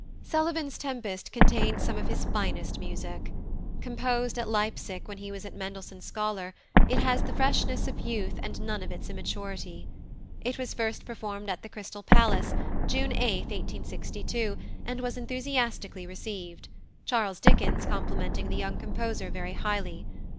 +Sullivan's+ Tempest contains some of his finest music. Composed at Leipsic when he was Mendelssohn Scholar, it has all the freshness of youth and none of its immaturity. It was first performed at the Crystal Palace, June 8, 1862, and was enthusiastically received, Charles Dickens complimenting the young composer very highly.